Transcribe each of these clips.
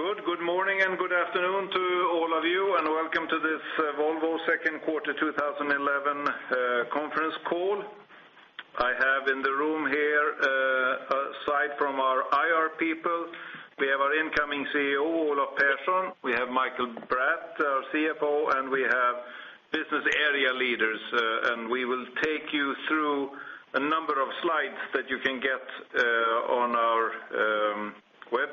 Good morning and good afternoon to all of you, and welcome to this Volvo Second Quarter 2011 Conference Call. I have in the room here a slide from our IR people. We have our incoming CEO, Olof Persson. We have Mikael Bratt, our CFO, and we have business area leaders. We will take you through a number of slides that you can get on our web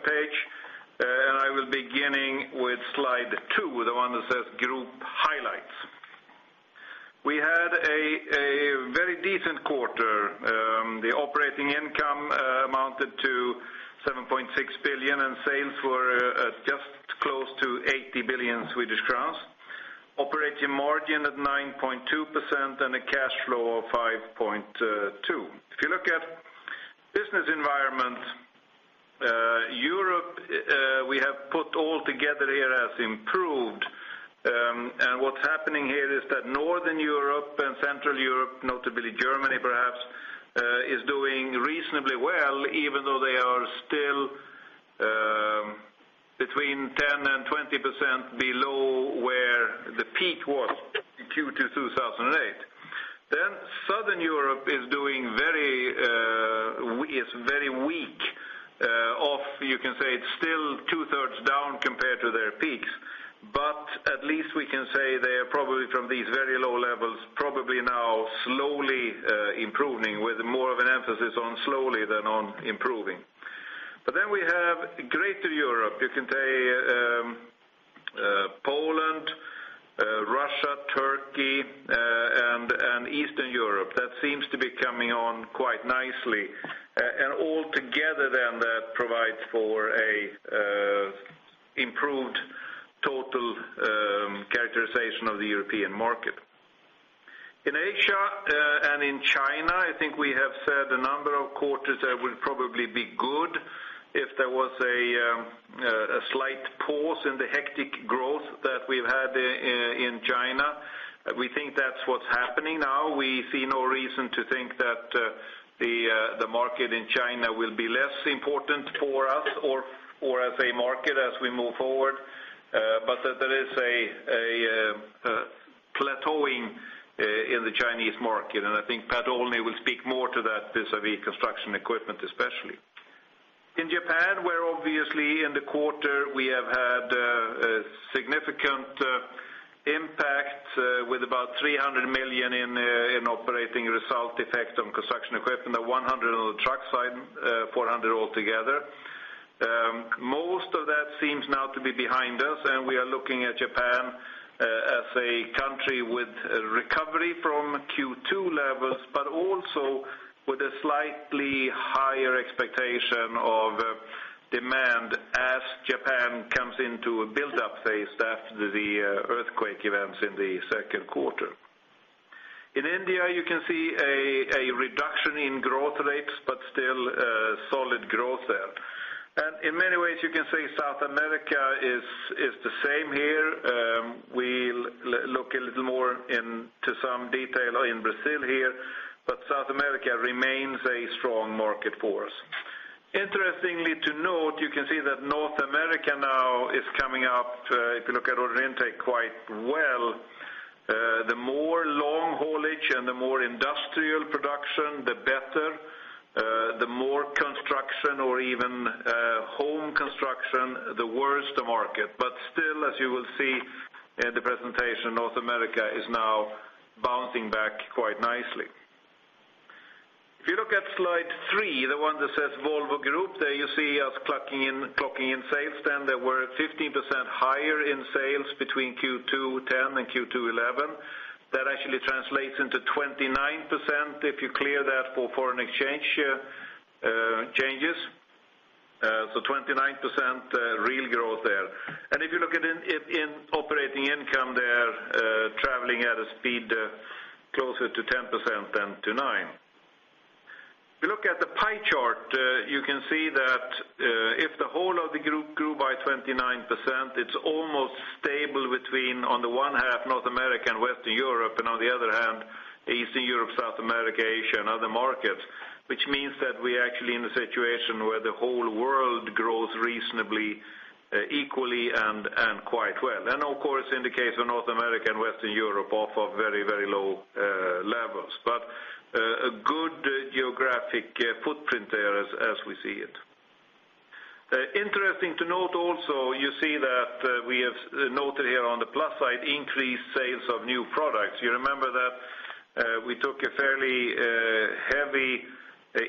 page. I will be beginning with slide two, the one that says group highlights. We had a very decent quarter. The operating income amounted to 7.6 billion, and sales were just close to 80 billion Swedish crowns. Operating margin at 9.2% and a cash flow of 5.2 billion. If you look at the business environment, Europe, we have put all together here as improved. What's happening here is that Northern Europe and Central Europe, notably Germany perhaps, is doing reasonably well, even though they are still between 10% and 20% below where the peak was in Q2 2008. Southern Europe is doing very weak. You can say it's still two-thirds down compared to their peaks. At least we can say they are probably from these very low levels, probably now slowly improving with more of an emphasis on slowly than on improving. We have Greater Europe. You can take Poland, Russia, Turkey, and Eastern Europe. That seems to be coming on quite nicely. Altogether then that provides for an improved total characterization of the European market. In Asia and in China, I think we have said a number of quarters that it would probably be good if there was a slight pause in the hectic growth that we've had in China. We think that's what's happening now. We see no reason to think that the market in China will be less important for us or as a market as we move forward, but that there is a plateauing in the Chinese market. I think Pat Olney will speak more to that vis-a-vis construction equipment especially. In Japan, obviously in the quarter we have had a significant impact with about 300 million in operating result effect on construction equipment, 100 million on the truck side, 400 million altogether. Most of that seems now to be behind us. We are looking at Japan as a country with recovery from Q2 levels, but also with a slightly higher expectation of demand as Japan comes into a build-up phase after the earthquake events in the second quarter. In India, you can see a reduction in growth rates, but still solid growth there. In many ways, you can say South America is the same here. We'll look a little more into some detail in Brazil here. South America remains a strong market for us. Interestingly to note, you can see that North America now is coming up, if you look at order intake quite well. The more long haulage and the more industrial production, the better. The more construction or even home construction, the worse the market. As you will see in the presentation, North America is now bouncing back quite nicely. If you look at slide three, the one that says Volvo Group, there you see us clocking in sales. Then there were 15% higher in sales between Q2 2010 and Q2 2011. That actually translates into 29% if you clear that for foreign exchange changes. So 29% real growth there. If you look at it in operating income, they're traveling at a speed closer to 10% than to 9%. If you look at the pie chart, you can see that if the whole of the group grew by 29%, it's almost stable between, on the one half, North America and Western Europe, and on the other hand, Eastern Europe, South America, Asia, and other markets, which means that we're actually in a situation where the whole world grows reasonably equally and quite well. In the case of North America and Western Europe, it is off of very, very low levels. A good geographic footprint there as we see it. Interesting to note also, you see that we have noted here on the plus side increased sales of new products. You remember that we took a fairly heavy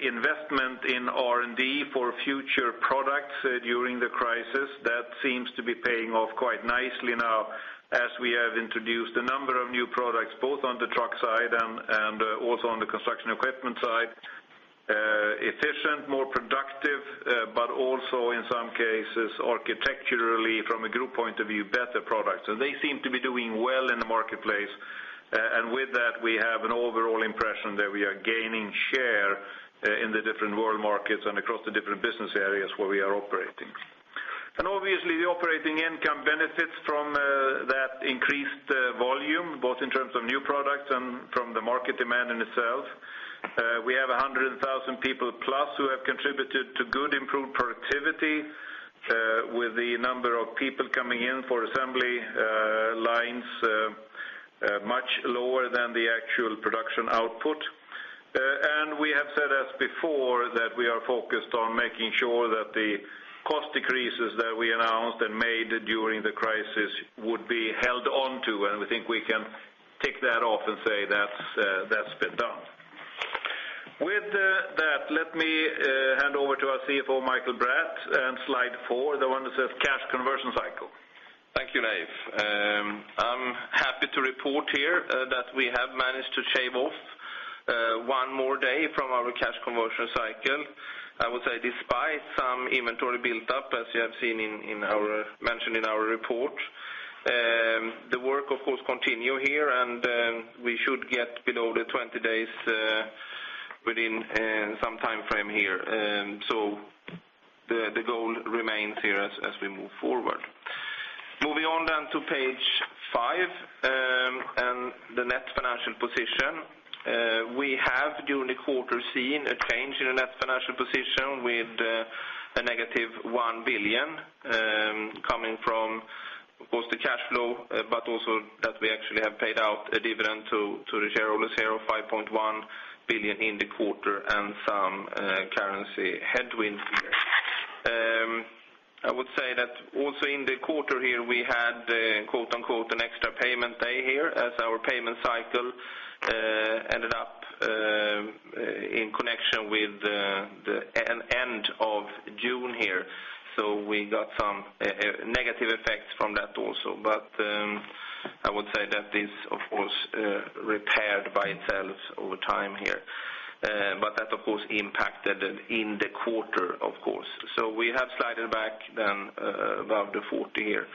investment in R&D for future products during the crisis. That seems to be paying off quite nicely now as we have introduced a number of new products, both on the truck side and also on the construction equipment side. Efficient, more productive, but also in some cases, architecturally from a group point of view, better products. They seem to be doing well in the marketplace. With that, we have an overall impression that we are gaining share in the different world markets and across the different business areas where we are operating. Obviously, the operating income benefits from that increased volume, both in terms of new products and from the market demand in itself. We have 100,000 people plus who have contributed to good improved productivity with the number of people coming in for assembly lines much lower than the actual production output. We have said as before that we are focused on making sure that the cost decreases that we announced and made during the crisis would be held on to. We think we can tick that off and say that's sped down. With that, let me hand over to our CFO, Mikael Bratt, and slide four, the one that says cash conversion cycle. Thank you, Leif. I'm happy to report here that we have managed to shave off one more day from our cash conversion cycle. I would say despite some inventory build-up, as you have seen mentioned in our report, the work, of course, continues here. We should get below the 20 days within some time frame here. The goal remains here as we move forward. Moving on to page five and the net financial position. We have during the quarter seen a change in the net financial position with a negative 1 billion coming from, of course, the cash flow, but also that we actually have paid out a dividend to the shareholders here of 5.1 billion in the quarter and some currency headwind here. I would say that also in the quarter here, we had, quote-unquote, "an extra payment day" here as our payment cycle ended up in connection with the end of June here. We got some negative effects from that also. I would say that this, of course, repaired by itself over time here. That, of course, impacted it in the quarter, of course. We have slided back then above the 40 billion here,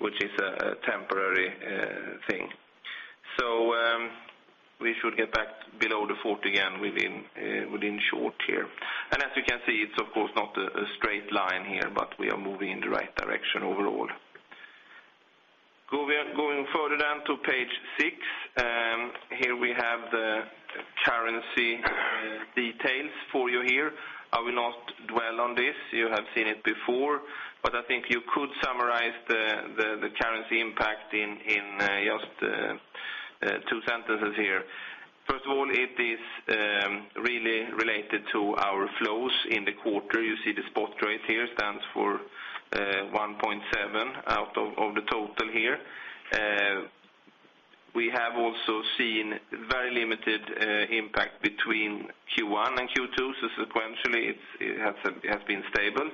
which is a temporary thing. We should get back below the 40 billion again within short here. As you can see, it's, of course, not a straight line here, but we are moving in the right direction overall. Going further to page six. Here we have the currency details for you here. I will not dwell on this. You have seen it before. I think you could summarize the currency impact in just two sentences here. First of all, it is really related to our flows in the quarter. You see the spot rate here stands for 1.7 billion out of the total here. We have also seen very limited impact between Q1 and Q2. Sequentially, it has been stable.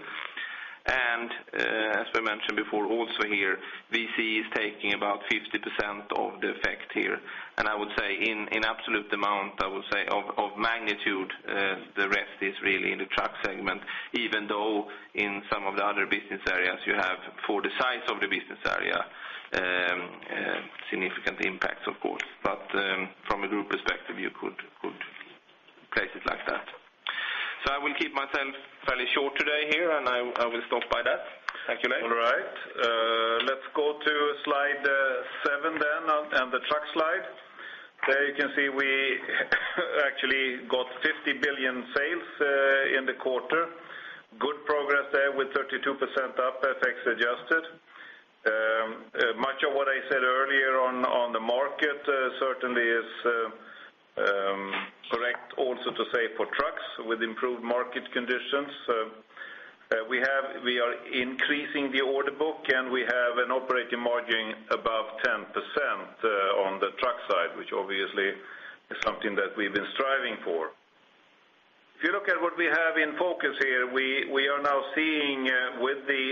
As I mentioned before, also here, VC is taking about 50% of the effect here. I would say in absolute amount, I would say of magnitude, the rest is really in the truck segment, even though in some of the other business areas you have for the size of the business area significant impacts, of course. From a group perspective, you could place it like that. I will keep myself fairly short today here, and I will stop by that. Thank you, Leif. All right. Let's go to slide seven then and the truck slide. There you can see we actually got 50 billion sales in the quarter. Good progress there with 32% up, FX-adjusted. Much of what I said earlier on the market certainly is correct also to say for trucks with improved market conditions. We are increasing the order book, and we have an operating margin above 10% on the truck side, which obviously is something that we've been striving for. If you look at what we have in focus here, we are now seeing with the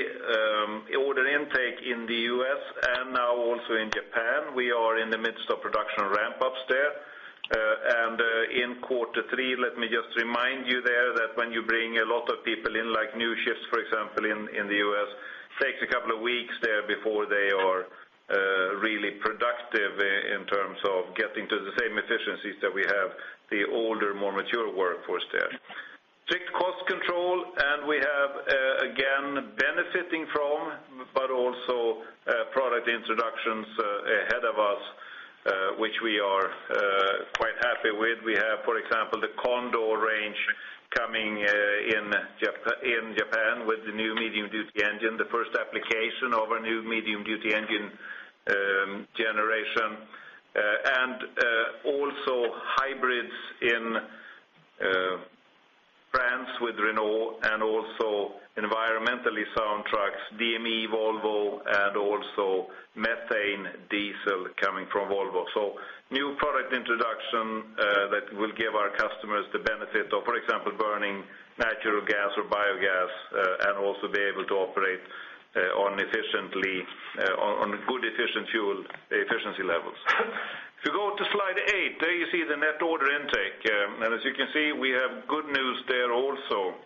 order intake in the U.S. and now also in Japan, we are in the midst of production ramp-ups there. In quarter three, let me just remind you that when you bring a lot of people in, like new shifts, for example, in the U.S., it takes a couple of weeks before they are really productive in terms of getting to the same efficiencies that we have with the older, more mature workforce. Strict cost control, and we have, again, benefiting from, but also product introductions ahead of us, which we are quite happy with. We have, for example, the Condor range coming in Japan with the new medium-duty engine, the first application of our new medium-duty engine generation. Also hybrids in France with Renault and also environmentally sound trucks, DME Volvo, and also methane diesel coming from Volvo. New product introduction will give our customers the benefit of, for example, burning natural gas or biogas and also be able to operate efficiently, on good efficient fuel efficiency levels. If you go to slide eight, there you see the net order intake. As you can see, we have good news there also.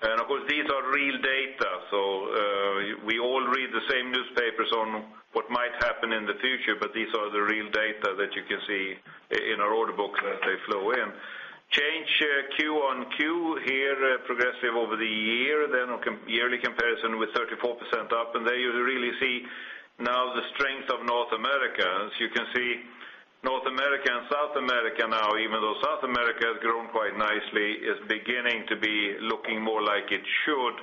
Of course, these are real data. We all read the same newspapers on what might happen in the future, but these are the real data that you can see in our order books as they flow in. Change Q1Q here, progressive over the year, then a yearly comparison with 34% up. There you really see now the strength of North America. As you can see, North America and South America now, even though South America has grown quite nicely, is beginning to be looking more like it should,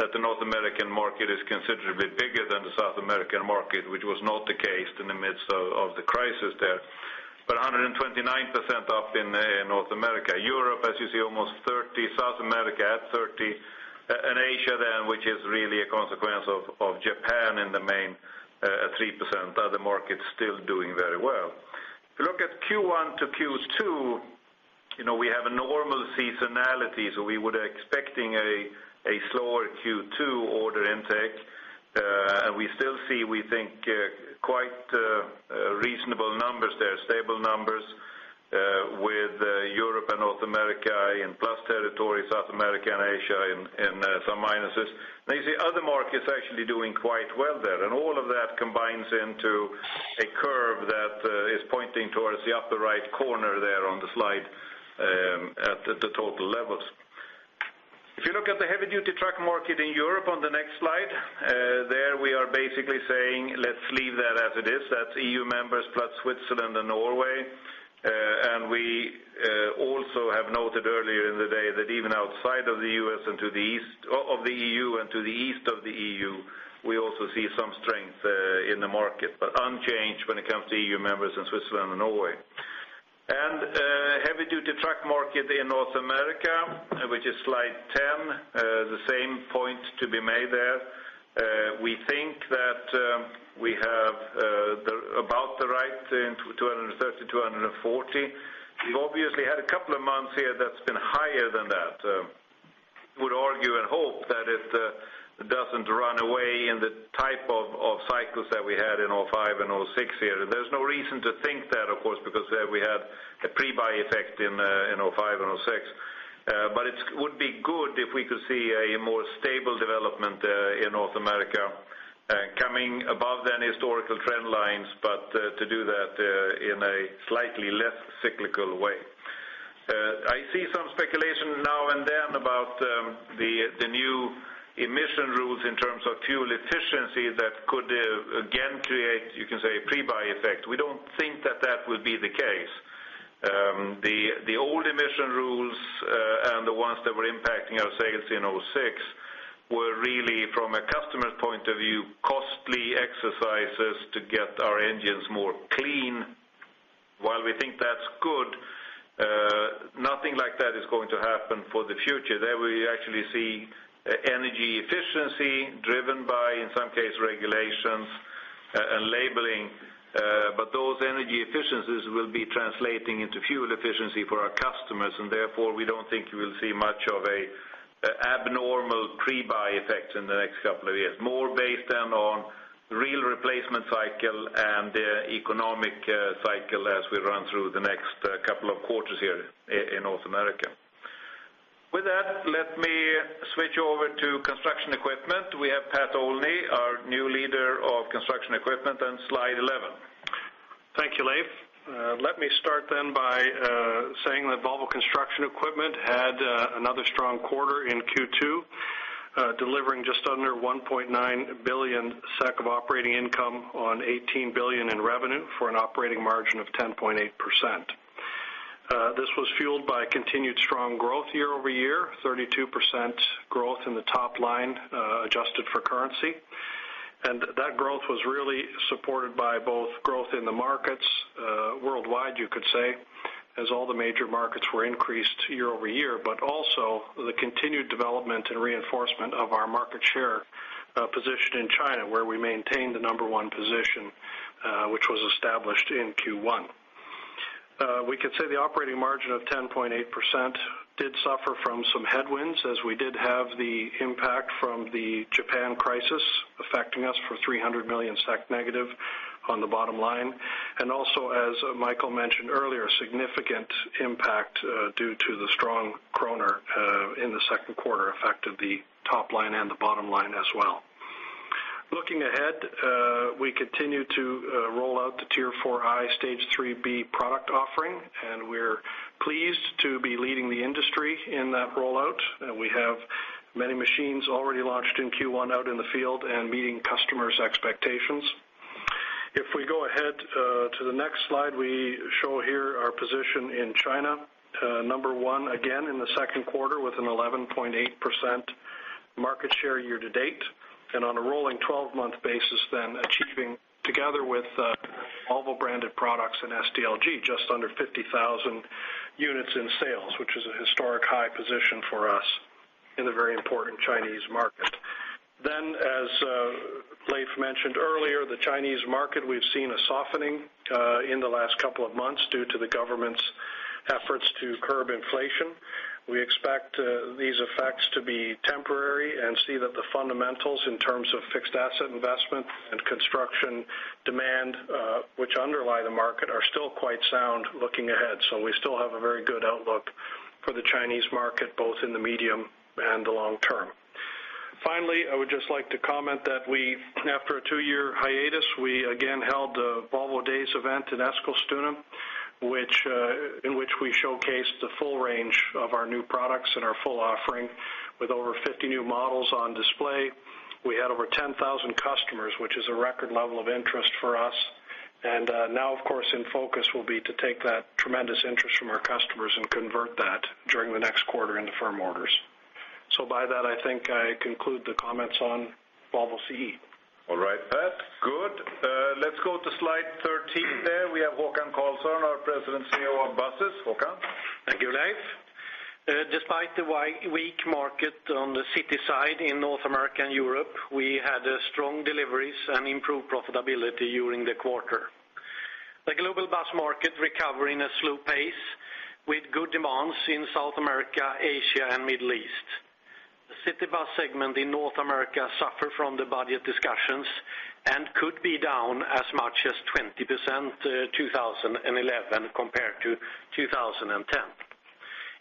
that the North American market is considerably bigger than the South American market, which was not the case in the midst of the crisis. 129% up in North America. Europe, as you see, almost 30%. South America at 30%. Asia then, which is really a consequence of Japan in the main, at 3%. Other markets still doing very well. If you look at Q1 to Q2, we have a normal seasonality. We were expecting a slower Q2 order intake. We still see, we think, quite reasonable numbers there, stable numbers with Europe and North America in plus territory, South America and Asia in some minuses. You see other markets actually doing quite well there. All of that combines into a curve that is pointing towards the upper right corner there on the slide at the total levels. If you look at the heavy-duty truck market in Europe on the next slide, we are basically saying, let's leave that as it is. That's EU members plus Switzerland and Norway. We also have noted earlier in the day that even outside of the U.S. and to the east of the EU, we also see some strength in the market, but unchanged when it comes to EU members, Switzerland, and Norway. The heavy-duty truck market in North America, which is slide 10, the same point to be made there. We think that we have about the right 230, 240. We've obviously had a couple of months here that's been higher than that. We would argue and hope that it doesn't run away in the type of cycles that we had in 2005 and 2006 here. There's no reason to think that, of course, because we had a pre-buy effect in 2005 and 2006. It would be good if we could see a more stable development in North America coming above the historical trend lines, but to do that in a slightly less cyclical way. I see some speculation now and then about the new emission rules in terms of fuel efficiency that could again create, you can say, a pre-buy effect. We don't think that that will be the case. The old emission rules and the ones that were impacting our sales in 2006 were really, from a customer's point of view, costly exercises to get our engines more clean. While we think that's good, nothing like that is going to happen for the future. There we actually see energy efficiency driven by, in some case, regulations and labeling. Those energy efficiencies will be translating into fuel efficiency for our customers. Therefore, we don't think you will see much of an abnormal pre-buy effect in the next couple of years. More based then on the real replacement cycle and the economic cycle as we run through the next couple of quarters here in North America. With that, let me switch over to construction equipment. We have Pat Olney, our new leader of Volvo Construction Equipment on slide 11. Thank you, Leif. Let me start then by saying that Volvo Construction Equipment had another strong quarter in Q2, delivering just under 1.9 billion SEK of operating income on 18 billion in revenue for an operating margin of 10.8%. This was fueled by continued strong growth year-over-year, 32% growth in the top line adjusted for currency. That growth was really supported by both growth in the markets worldwide, you could say, as all the major markets were increased year-over-year, but also the continued development and reinforcement of our market share position in China, where we maintained the number one position, which was established in Q1. We can say the operating margin of 10.8% did suffer from some headwinds as we did have the impact from the Japan crisis affecting us for 300 million SEK negative on the bottom line. Also, as Mikael mentioned earlier, significant impact due to the strong Krona in the second quarter affected the top line and the bottom line as well. Looking ahead, we continue to roll out the Tier 4i/Stage 3b product offering. We're pleased to be leading the industry in that rollout. We have many machines already launched in Q1 out in the field and meeting customers' expectations. If we go ahead to the next slide, we show here our position in China. Number one, again, in the second quarter with an 11.8% market share year to date. On a rolling 12-month basis, then achieving together with Volvo-branded products and SDLG just under 50,000 units in sales, which is a historic high position for us in the very important Chinese market. As Leif mentioned earlier, the Chinese market, we've seen a softening in the last couple of months due to the government's efforts to curb inflation. We expect these effects to be temporary and see that the fundamentals in terms of fixed asset investment and construction demand, which underlie the market, are still quite sound looking ahead. We still have a very good outlook for the Chinese market, both in the medium and the long term. Finally, I would just like to comment that we, after a two-year hiatus, again held the Volvo Days event in Eskilstuna, in which we showcased the full range of our new products and our full offering with over 50 new models on display. We had over 10,000 customers, which is a record level of interest for us. Now, of course, in focus will be to take that tremendous interest from our customers and convert that during the next quarter into firm orders. By that, I think I conclude the comments on Volvo CE. All right, Pat. Good. Let's go to slide 13 there. We have Håkan Agnevall, our President and CEO of Buses. Håkan. Thank you, Leif. Despite the weak market on the city side in North America and Europe, we had strong deliveries and improved profitability during the quarter. The global bus market recovered at a slow pace with good demand in South America, Asia, and the Middle East. The city bus segment in North America suffered from the budget discussions and could be down as much as 20% in 2011 compared to 2010.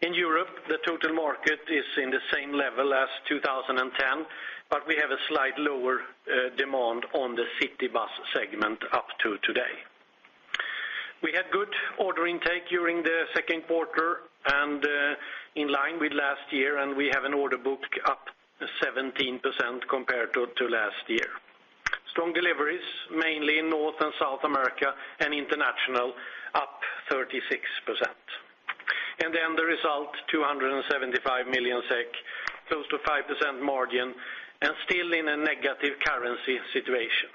In Europe, the total market is at the same level as 2010, but we have a slightly lower demand in the city bus segment up to today. We had good order intake during the second quarter and in line with last year, and we have an order book up 17% compared to last year. Strong deliveries, mainly in North and South America and international, up 36%. The result was 275 million SEK, close to 5% margin, and still in a negative currency situation.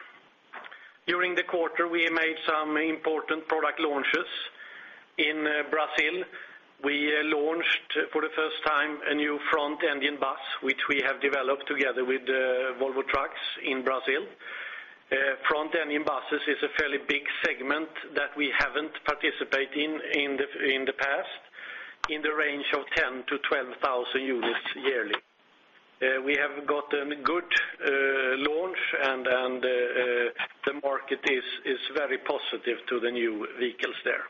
During the quarter, we made some important product launches. In Brazil, we launched for the first time a new front-engine bus, which we have developed together with Volvo Trucks in Brazil. Front-engine buses are a fairly big segment that we haven't participated in in the past in the range of 10,000-12,000 units yearly. We have gotten a good launch, and the market is very positive to the new vehicles there.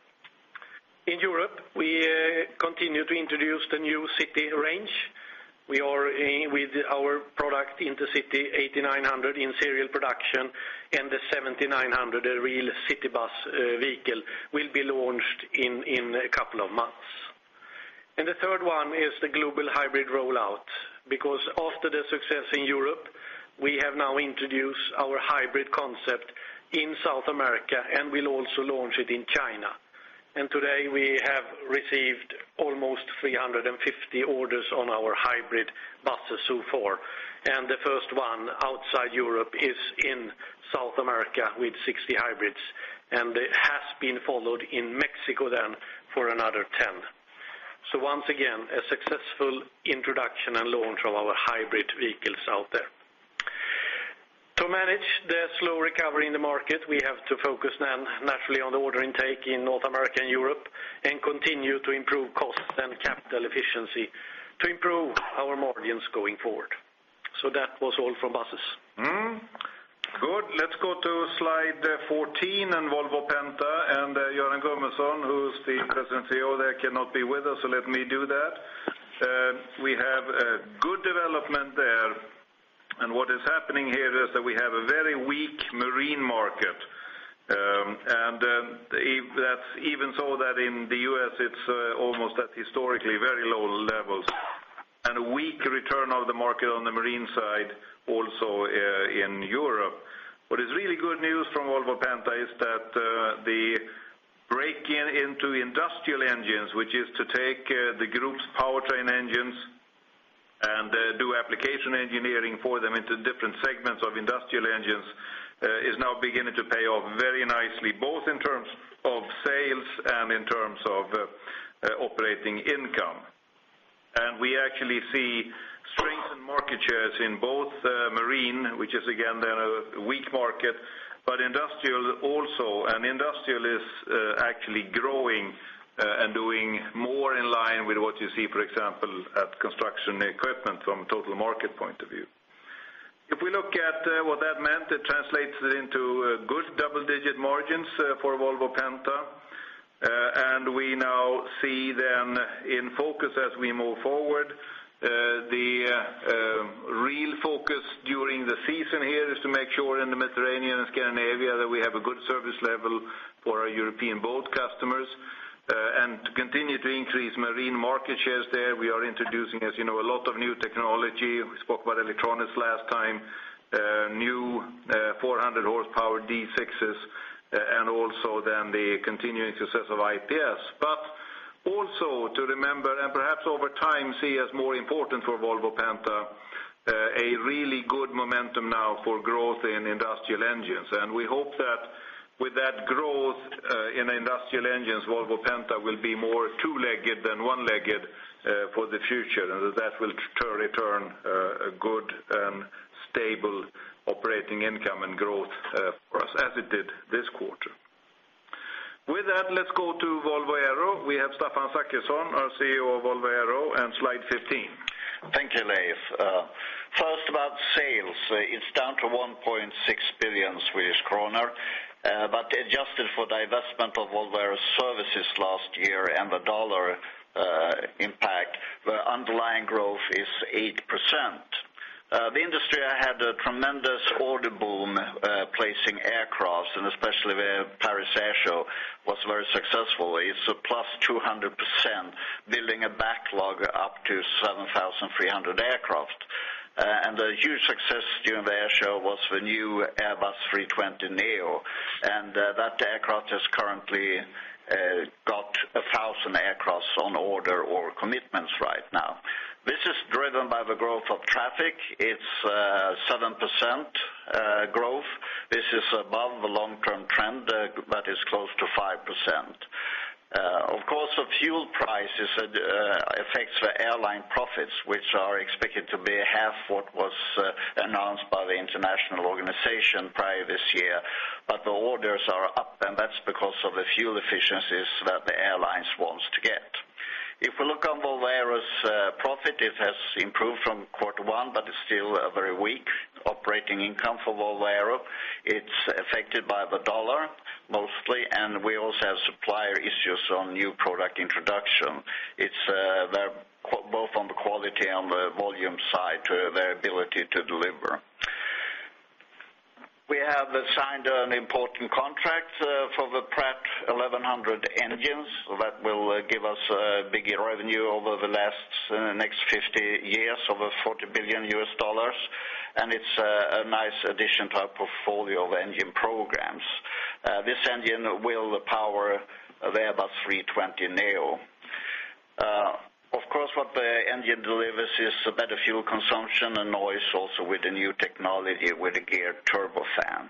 In Europe, we continue to introduce the new city range. We are with our product Intercity 8900 in serial production, and the 7900, a real city bus vehicle, will be launched in a couple of months. The third one is the global hybrid rollout because after the success in Europe, we have now introduced our hybrid concept in South America, and we'll also launch it in China. Today, we have received almost 350 orders on our hybrid buses so far. The first one outside Europe is in South America with 60 hybrids, and it has been followed in Mexico for another 10. Once again, a successful introduction and launch of our hybrid vehicles out there. To manage the slow recovery in the market, we have to focus naturally on the order intake in North America and Europe and continue to improve costs and capital efficiency to improve our margins going forward. That was all from buses. Good. Let's go to slide 14 and Volvo Penta, and Jan Gurander, who's the President and CEO, cannot be with us, so let me do that. We have a good development there. What is happening here is that we have a very weak marine market. That's even so that in the U.S., it's almost at historically very low levels, and a weak return of the market on the marine side also in Europe. What is really good news from Volvo Penta is that the break-in into industrial engines, which is to take the group's powertrain engines and do application engineering for them into different segments of industrial engines, is now beginning to pay off very nicely, both in terms of sales and in terms of operating income. We actually see strengthened market shares in both marine, which is again a weak market, and industrial also. Industrial is actually growing and doing more in line with what you see, for example, at Construction Equipment from a total market point of view. If we look at what that meant, it translates into good double-digit margins for Volvo Penta. We now see in focus as we move forward, the real focus during the season here is to make sure in the Mediterranean and Scandinavia that we have a good service level for our European boat customers. To continue to increase marine market shares there, we are introducing, as you know, a lot of new technology. We spoke about electronics last time, new 400 hp D6s, and also the continuing success of IPS. Also, remember, and perhaps over time see as more important for Volvo Penta, a really good momentum now for growth in industrial engines. We hope that with that growth in industrial engines, Volvo Penta will be more two-legged than one-legged for the future. That will return a good and stable operating income and growth for us as it did this quarter. With that, let's go to Volvo Aero. We have Staffan Zackeson, our CEO of Volvo Aero, and slide 15. Thank you, Leif. First, about sales, it's down to 1.6 billion Swedish kronor. But adjusted for the investment of Volvo Aero services last year and the dollar impact, the underlying growth is 8%. The industry had a tremendous order boom placing aircraft, and especially the Paris Air Show was very successful. It's a +200%, building a backlog up to 7,300 aircraft. The huge success during the air show was the new Airbus A320neo. That aircraft has currently got 1,000 aircraft on order or commitments right now. This is driven by the growth of traffic. It's 7% growth. This is above the long-term trend, but it's close to 5%. Of course, the fuel prices affect the airline profits, which are expected to be half what was announced by the International Organization prior this year. The orders are up, and that's because of the fuel efficiencies that the airlines want to get. If we look on Volvo Aero's profit, it has improved from quarter one, but it's still a very weak operating income for Volvo Aero. It's affected by the dollar mostly, and we also have supplier issues on new product introduction. It's both on the quality and the volume side to their ability to deliver. We have signed an important contract for the PW1100G engines that will give us a bigger revenue over the next 50 years, over $40 billion. It's a nice addition to our portfolio of engine programs. This engine will power the Airbus A320neo. Of course, what the engine delivers is better fuel consumption and noise also with the new technology with the geared turbofan.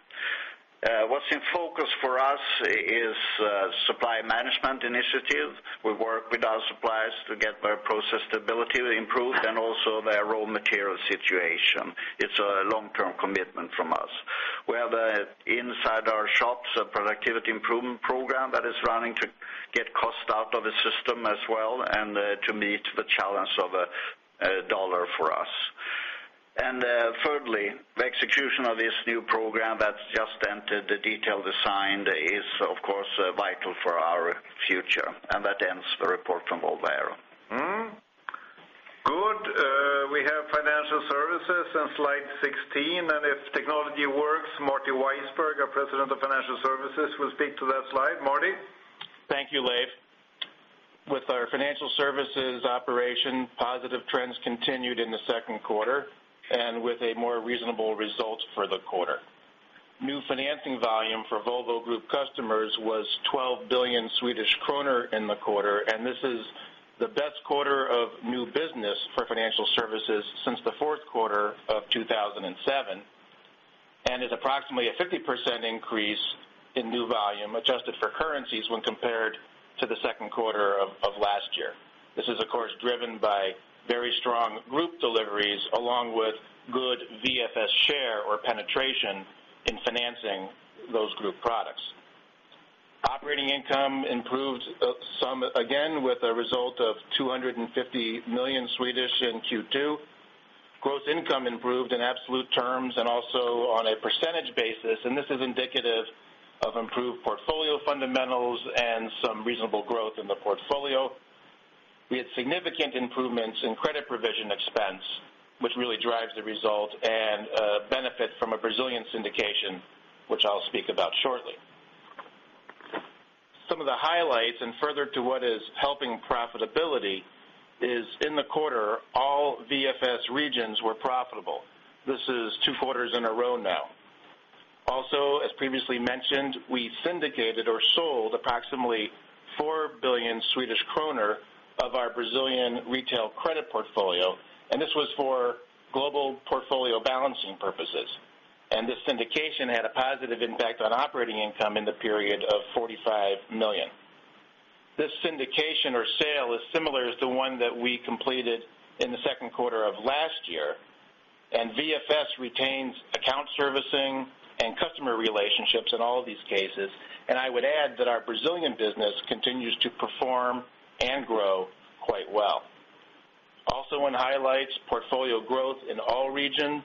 What's in focus for us is a supply management initiative. We work with our suppliers to get their process stability improved and also their raw material situation. It's a long-term commitment from us. We have inside our shops a productivity improvement program that is running to get cost out of the system as well and to meet the challenge of the dollar for us. Thirdly, the execution of this new program that's just entered the detail design is, of course, vital for our future. That ends the report from Volvo Aero. Good. We have Financial Services and slide 16. If technology works, Marty Weissburg, our President of Financial Services, will speak to that slide. Marty? Thank you, Leif. With our financial services operation, positive trends continued in the second quarter with a more reasonable result for the quarter. New financing volume for Volvo Group customers was 12 billion Swedish kronor in the quarter, and this is the best quarter of new business for financial services since the fourth quarter of 2007. It is approximately a 50% increase in new volume adjusted for currencies when compared to the second quarter of last year. This is, of course, driven by very strong group deliveries along with good Volvo Financial Services share or penetration in financing those group products. Operating income improved some again with a result of 250 million in Q2. Gross income improved in absolute terms and also on a percentage basis, and this is indicative of improved portfolio fundamentals and some reasonable growth in the portfolio. We had significant improvements in credit provision expense, which really drives the result and benefit from a Brazilian syndication, which I'll speak about shortly. Some of the highlights and further to what is helping profitability is in the quarter, all Volvo Financial Services regions were profitable. This is two quarters in a row now. Also, as previously mentioned, we syndicated or sold approximately 4 billion Swedish kronor of our Brazilian retail credit portfolio, and this was for global portfolio balancing purposes. This syndication had a positive impact on operating income in the period of 45 million. This syndication or sale is similar to one that we completed in the second quarter of last year. Volvo Financial Services retains account servicing and customer relationships in all of these cases. I would add that our Brazilian business continues to perform and grow quite well. Also in highlights, portfolio growth in all regions,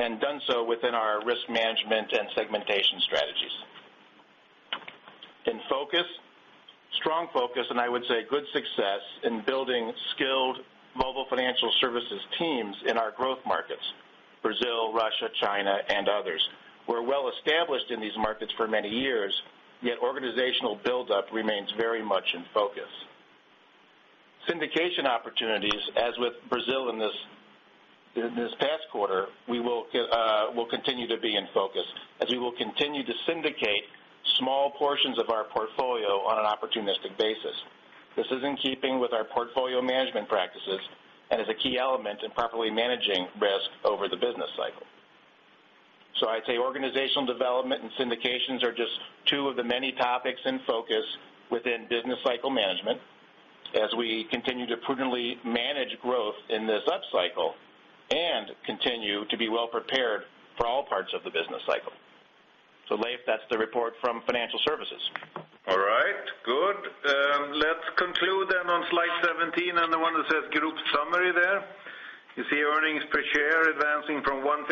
and done so within our risk management and segmentation strategies. In focus, strong focus, and I would say good success in building skilled Volvo Financial Services teams in our growth markets, Brazil, Russia, China, and others. We're well established in these markets for many years, yet organizational buildup remains very much in focus. Syndication opportunities, as with Brazil in this past quarter, will continue to be in focus as we will continue to syndicate small portions of our portfolio on an opportunistic basis. This is in keeping with our portfolio management practices and is a key element in properly managing risk over the business cycle. I'd say organizational development and syndications are just two of the many topics in focus within business cycle management as we continue to prudently manage growth in this upcycle and continue to be well prepared for all parts of the business cycle. Leif, that's the report from financial services. All right. Good. Let's conclude then on slide 17, the one that says group summary there. You see earnings per share advancing from 1.55-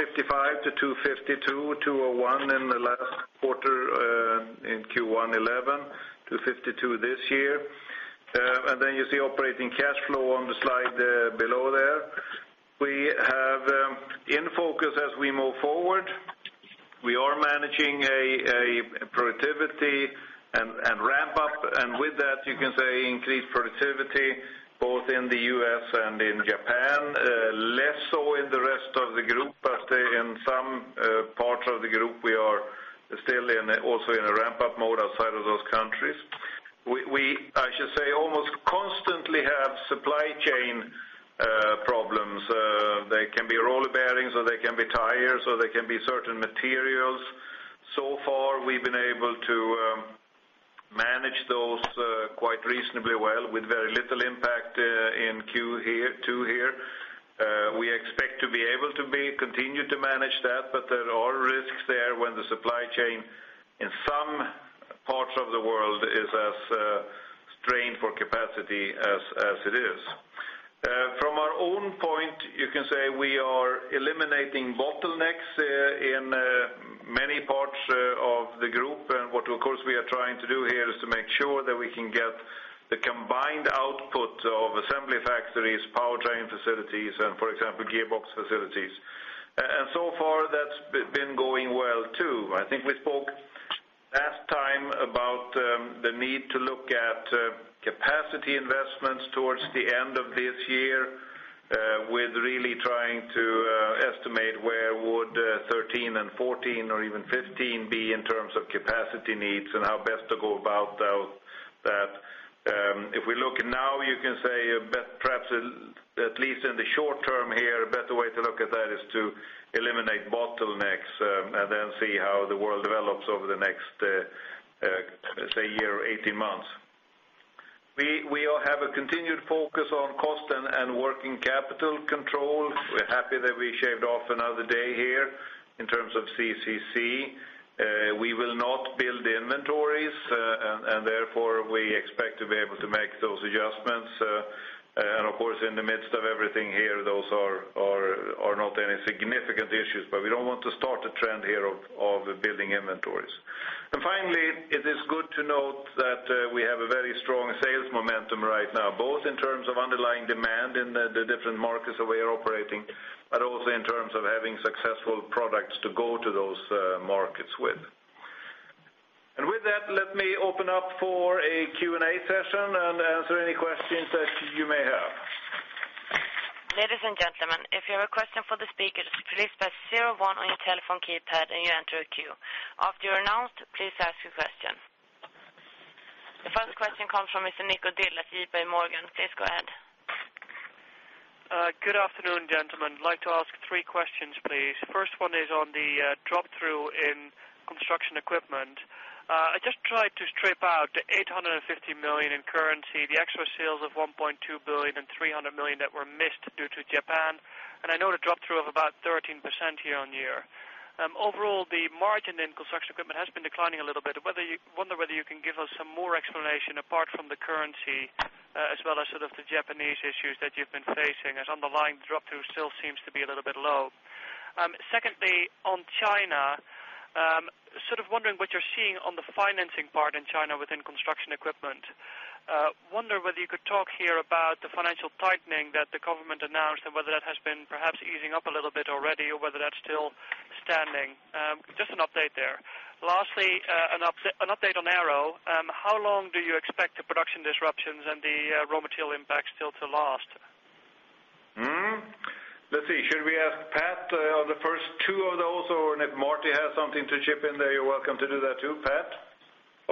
2.52, 2.01 in the last quarter in Q1 2011 to 2.52 this year. You see operating cash flow on the slide below there. We have in focus as we move forward, we are managing productivity and ramp-up. With that, you can say increased productivity both in the U.S. and in Japan, less so in the rest of the group. In some parts of the group, we are still also in a ramp-up mode outside of those countries. I should say, almost constantly, we have supply chain problems. They can be roller bearings or they can be tires or they can be certain materials. So far, we've been able to manage those quite reasonably well with very little impact in Q2 here. We expect to be able to continue to manage that, but there are risks there when the supply chain in some parts of the world is as strained for capacity as it is. From our own point, you can say we are eliminating bottlenecks in many parts of the group. What we are trying to do here is to make sure that we can get the combined output of assembly factories, powertrain facilities, and, for example, gearbox facilities. So far, that's been going well too. I think we spoke last time about the need to look at capacity investments towards the end of this year, really trying to estimate where 2013 and 2014 or even 2015 would be in terms of capacity needs and how best to go about that. If we look now, you can say perhaps at least in the short term here, a better way to look at that is to eliminate bottlenecks and then see how the world develops over the next, say, year or 18 months. We have a continued focus on cost and working capital control. We're happy that we shaved off another day here in terms of cash conversion cycle. We will not build inventories, and therefore, we expect to be able to make those adjustments. In the midst of everything here, those are not any significant issues, but we don't want to start a trend here of building inventories. Finally, it is good to note that we have a very strong sales momentum right now, both in terms of underlying demand in the different markets that we are operating, but also in terms of having successful products to go to those markets with. With that, let me open up for a Q&A session and answer any questions that you may have. Ladies and gentlemen, if you have a question for the speakers, please press zero one on your telephone keypad and you enter a queue. After you're announced, please ask your question. The first question comes from Mr. Nico Dil at JPMorgan. Please go ahead. Good afternoon, gentlemen. I'd like to ask three questions, please. First one is on the drop-through in construction equipment. I just tried to strip out the $850 million in currency, the extra sales of $1.2 billion, and $300 million that were missed due to Japan. I know the drop-through of about 13% year-on year. Overall, the margin in construction equipment has been declining a little bit. I wonder whether you can give us some more explanation apart from the currency as well as the Japanese issues that you've been facing, as underlying the drop-through still seems to be a little bit low. Secondly, on China, wondering what you're seeing on the financing part in China within construction equipment. I wonder whether you could talk here about the financial tightening that the government announced and whether that has been perhaps easing up a little bit already or whether that's still standing. Just an update there. Lastly, an update on Aero. How long do you expect the production disruptions and the raw material impacts still to last? Let's see. Should we ask Pat Olney on the first two of those, or if Marty Weissburg has something to chip in there, you're welcome to do that too, Pat.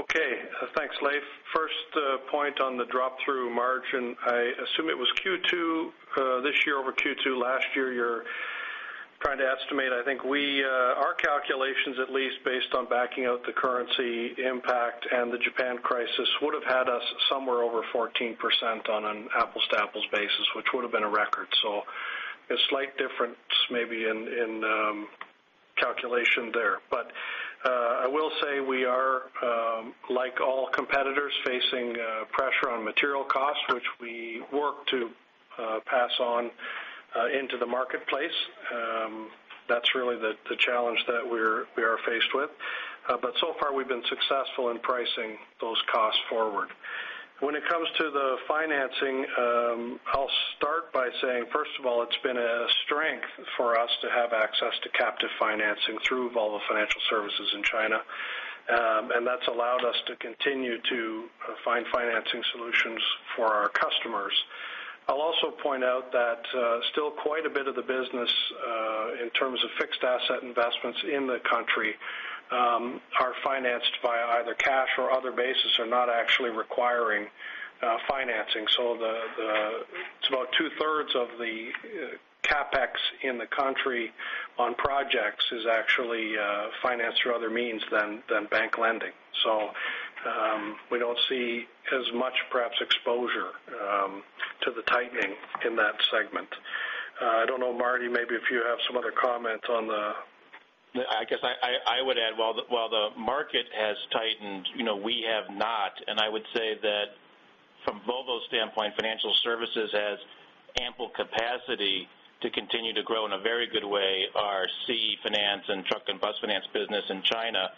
Okay. Thanks, Leif. First point on the drop-through margin, I assume it was Q2 this year over Q2 last year you're trying to estimate. I think our calculations, at least based on backing out the currency impact and the Japan crisis, would have had us somewhere over 14% on an apples-to-apples basis, which would have been a record. A slight difference maybe in calculation there. I will say we are, like all competitors, facing pressure on material costs, which we work to pass on into the marketplace. That's really the challenge that we are faced with. So far, we've been successful in pricing those costs forward. When it comes to the financing, I'll start by saying, first of all, it's been a strength for us to have access to captive financing through Volvo Financial Services in China. That's allowed us to continue to find financing solutions for our customers. I'll also point out that still quite a bit of the business in terms of fixed asset investments in the country are financed via either cash or other basis and not actually requiring financing. It's about two-thirds of the CapEx in the country on projects is actually financed through other means than bank lending. We don't see as much perhaps exposure to the tightening in that segment. I don't know, Marty, maybe if you have some other comment on the. I guess I would add, while the market has tightened, you know we have not. I would say that from Volvo's standpoint, Financial Services has ample capacity to continue to grow in a very good way. Our finance and truck and bus finance business in China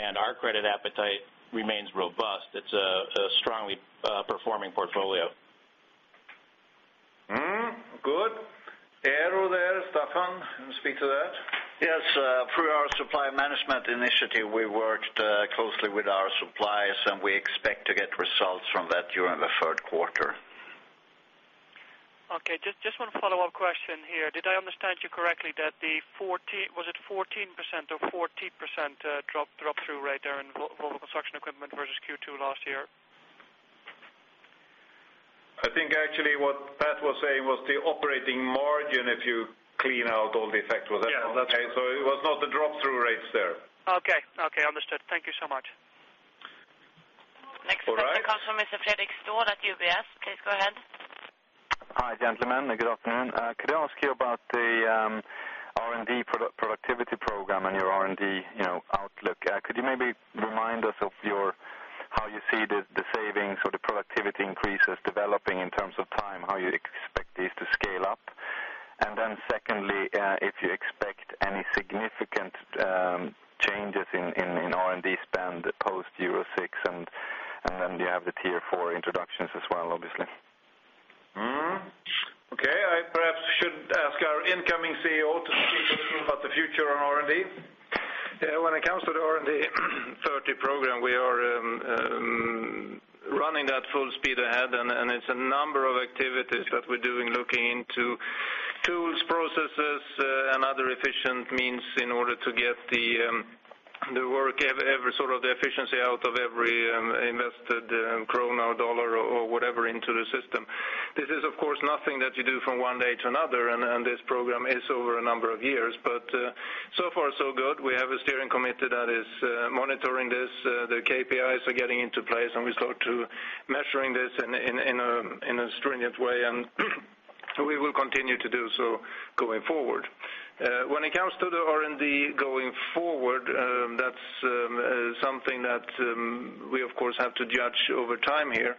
and our credit appetite remains robust. It's a strongly performing portfolio. Good. Alright, Staffan, you can speak to that. Yes. Through our supply management initiative, we worked closely with our suppliers, and we expect to get results from that during the third quarter. Okay. Just one follow-up question here. Did I understand you correctly that the 14, was it 14% or 40% drop-through rate there in Volvo Construction Equipment versus Q2 last year? I think actually what Pat Olney was saying was the operating margin, if you clean out all the effects. It was not the drop-through rates there. Okay. Okay. Understood. Thank you so much. Next question comes from Mr. Fredric Stahl at UBS. Please go ahead. Hi, gentlemen. Good afternoon. Could I ask you about the R&D productivity program and your R&D outlook? Could you maybe remind us of how you see the savings or the productivity increases developing in terms of time, how you expect these to scale up? Secondly, if you expect any significant changes in R&D spend post Euro 6 and then you have the Tier 4 introductions as well, obviously. Okay. I perhaps should ask our incoming CEO to speak a little about the future on R&D. When it comes to the R&D 30 program, we are running at full speed ahead, and it's a number of activities that we're doing, looking into tools, processes, and other efficient means in order to get the work, every sort of the efficiency out of every invested krona or dollar or whatever into the system. This is, of course, nothing that you do from one day to another, and this program is over a number of years. So far, so good. We have a steering committee that is monitoring this. The KPIs are getting into place, and we start to measure this in a stringent way, and we will continue to do so going forward. When it comes to the R&D going forward, that's something that we, of course, have to judge over time here.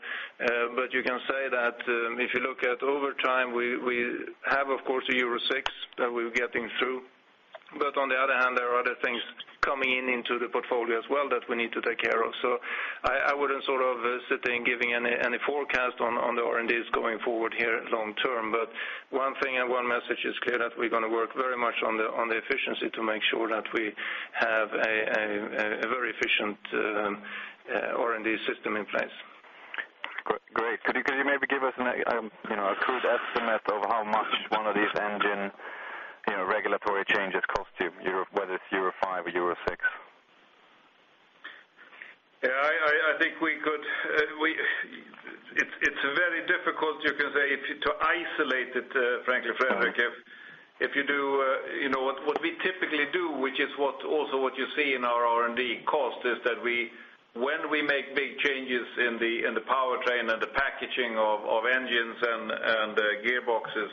You can say that if you look at over time, we have, of course, a Euro 6 that we're getting through. On the other hand, there are other things coming in into the portfolio as well that we need to take care of. I wouldn't sort of sit there and give you any forecast on the R&Ds going forward here long term. One thing and one message is clear that we're going to work very much on the efficiency to make sure that we have a very efficient R&D system in place. Great. Could you maybe give us an accrued estimate of how much one of these engine regulatory changes cost you, whether it's Euro 5 or Euro 6? I think we could, it's very difficult, you can say, to isolate it, frankly, Frederik. If you do, you know what we typically do, which is also what you see in our R&D cost, is that when we make big changes in the powertrain and the packaging of engines and gearboxes,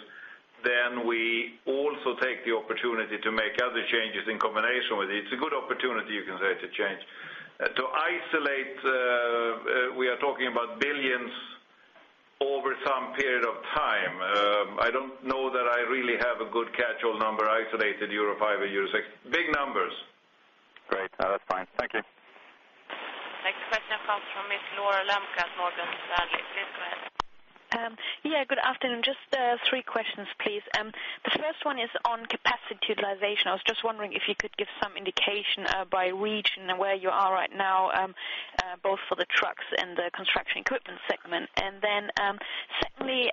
then we also take the opportunity to make other changes in combination with it. It's a good opportunity, you can say, to change. To isolate, we are talking about billions over some period of time. I don't know that I really have a good catch-all number isolated Euro 5 or Euro 6. Big numbers. Great. No, that's fine. Thank you. Next question comes from Ms. Laura Lemke at Morgan Stanley. Please go ahead. Yeah. Good afternoon. Just three questions, please. The first one is on capacity utilization. I was just wondering if you could give some indication by region and where you are right now, both for the trucks and the construction equipment segment. Secondly,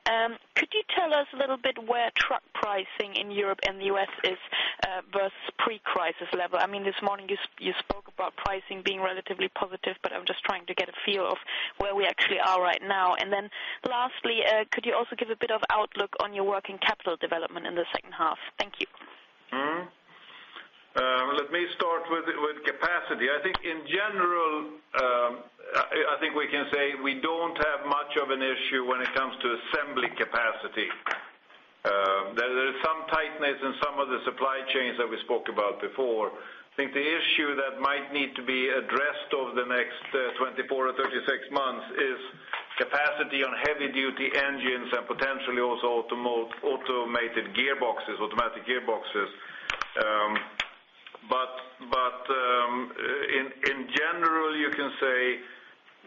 could you tell us a little bit where truck pricing in Europe and the U.S. is versus pre-crisis level? This morning you spoke about pricing being relatively positive, but I'm just trying to get a feel of where we actually are right now. Lastly, could you also give a bit of outlook on your working capital development in the second half? Thank you. Let me start with capacity. I think in general, we can say we don't have much of an issue when it comes to assembly capacity. There's some tightness in some of the supply chains that we spoke about before. I think the issue that might need to be addressed over the next 24-36 months is capacity on heavy-duty engines and potentially also automated gearboxes, automatic gearboxes. In general, you can say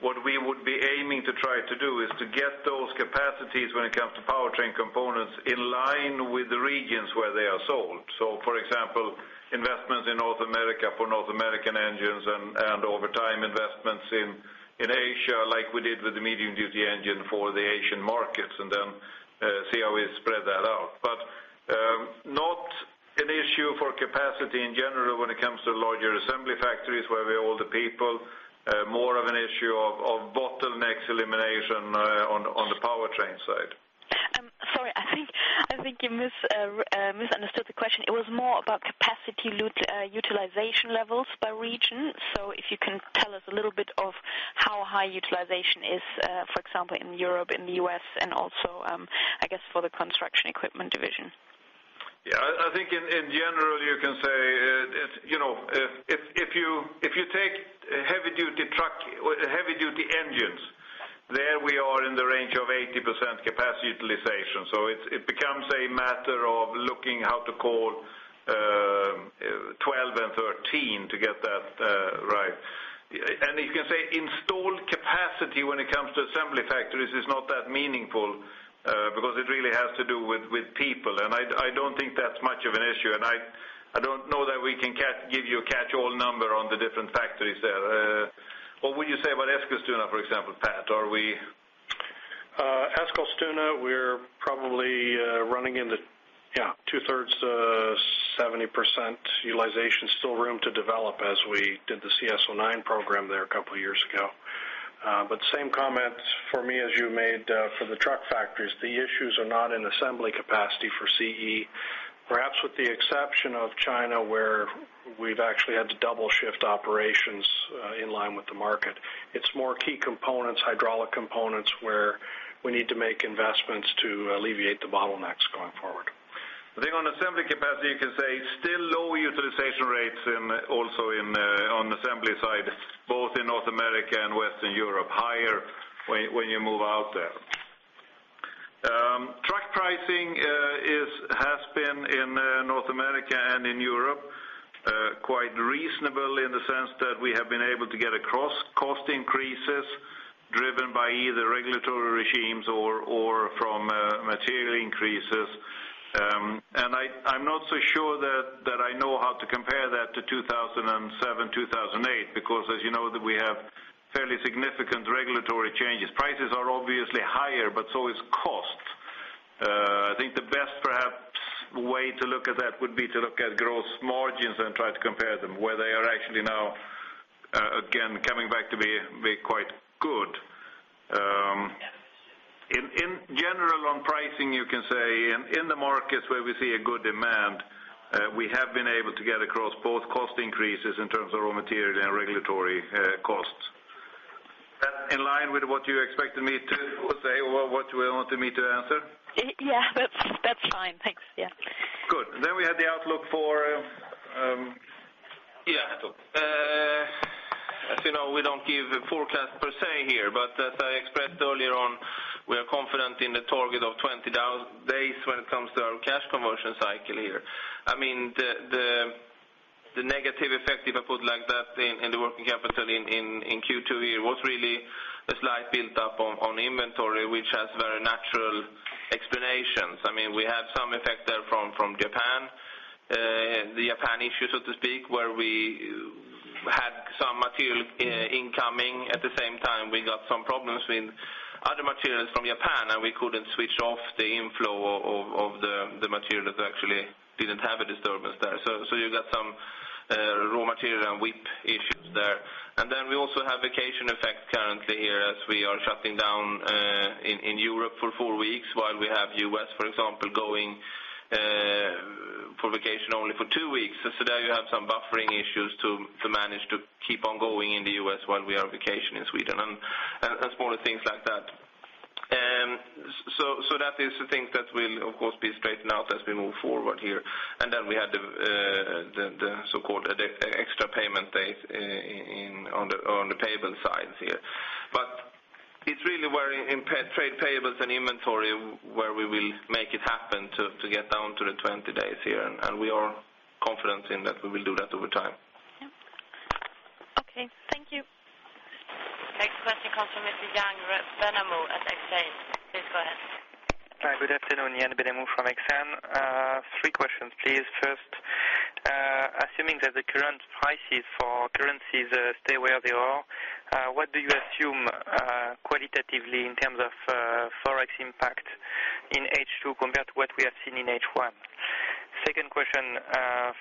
what we would be aiming to try to do is to get those capacities when it comes to powertrain components in line with the regions where they are sold. For example, investments in North America for North American engines and over time investments in Asia, like we did with the medium-duty engine for the Asian markets, and then see how we spread that out. Not an issue for capacity in general when it comes to larger assembly factories where we are older people, more of an issue of bottlenecks elimination on the powertrain side. Sorry. I think you misunderstood the question. It was more about capacity utilization levels by region. If you can tell us a little bit of how high utilization is, for example, in Europe, in the U.S., and also, I guess, for the Construction Equipment division. Yeah. I think in general, you can say, you know, if you take heavy-duty truck or heavy-duty engines, there we are in the range of 80% capacity utilization. It becomes a matter of looking at how to call 12 and 13 to get that right. You can say installed capacity when it comes to assembly factories is not that meaningful because it really has to do with people. I don't think that's much of an issue. I don't know that we can give you a catch-all number on the different factories there. What would you say about Eskilstuna, for example, Pat? Are we? Eskilstuna, we're probably running into two-thirds, 70% utilization, still room to develop as we did the CSO9 program there a couple of years ago. The same comments for me as you made for the truck factories. The issues are not in assembly capacity for CE, perhaps with the exception of China where we've actually had to double shift operations in line with the market. It's more key components, hydraulic components where we need to make investments to alleviate the bottlenecks going forward. I think on assembly capacity, you can say still lower utilization rates also on the assembly side, both in North America and Western Europe, higher when you move out there. Truck pricing has been in North America and in Europe quite reasonable in the sense that we have been able to get across cost increases driven by either regulatory regimes or from material increases. I'm not so sure that I know how to compare that to 2007-2008 because, as you know, we have fairly significant regulatory changes. Prices are obviously higher, but so is cost. I think the best perhaps way to look at that would be to look at gross margins and try to compare them where they are actually now, again, coming back to be quite good. In general, on pricing, you can say in the markets where we see a good demand, we have been able to get across both cost increases in terms of raw material and regulatory costs. In line with what you expected me to say or what you wanted me to answer? That's fine. Thanks. Good. Then we had the outlook for, yeah, I thought, as you know, we don't give a forecast per se here, but as I expressed earlier on, we are confident in the target of 20 days when it comes to our cash conversion cycle here. I mean, the negative effect, if I put it like that, in the working capital in Q2 here was really a slight build-up on inventory, which has very natural explanations. I mean, we had some effect there from Japan, the Japan issue, so to speak, where we had some material incoming. At the same time, we got some problems with other materials from Japan, and we couldn't switch off the inflow of the material that actually didn't have a disturbance there. You got some raw material and WIP issues there. We also have vacation effect currently here as we are shutting down in Europe for four weeks while we have U.S., for example, going for vacation only for two weeks. There you have some buffering issues to manage to keep on going in the U.S. while we are vacationing in Sweden and smaller things like that. That is a thing that will, of course, be straightened out as we move forward here. We had the so-called extra payment days on the payable sides here. It's really where in trade payables and inventory where we will make it happen to get down to the 20 days here. We are confident in that we will do that over time. Okay. Thank you. Next question comes from Mr. Jan Krogh-Vennemo at [Exame]. Please go ahead. Hi. Good afternoon. Jan Krogh-Vennemo from [Exame]. Three questions, please. First, assuming that the current prices for currencies stay where they are, what do you assume qualitatively in terms of forex impact in H2 compared to what we have seen in H1? Second question